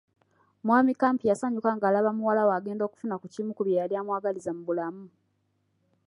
Mwami Kampi yasanyuka ng’alaba muwala we agenda okufuna ku kimu ku bye yali amwagaliza mu bulamu.